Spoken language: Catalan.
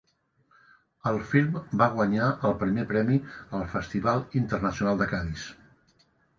El film va guanyar el primer premi al Festival Internacional de Cadis.